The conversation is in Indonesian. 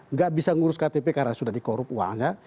nggak bisa ngurus ktp karena sudah dikorup uangnya